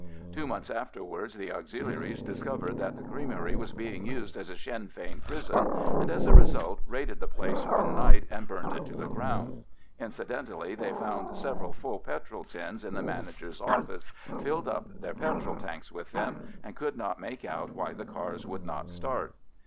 Two months afterwards the Auxiliaries discovered that the creamery was being used as a Sinn Fein prison, and, as a result, raided the place one night and burnt it to the ground. Incidentally, they found several full petrol tins in the manager's office, filled up their petrol tanks with them, and could not make out why the cars would not start.